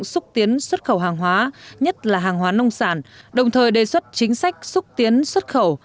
xúc tiến xuất khẩu hàng hóa nhất là hàng hóa nông sản đồng thời đề xuất chính sách xúc tiến xuất khẩu